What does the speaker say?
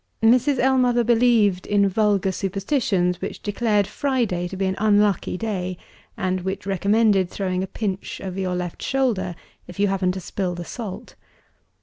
Mrs. Ellmother believed in vulgar superstitions which declared Friday to be an unlucky day; and which recommended throwing a pinch over your left shoulder, if you happened to spill the salt.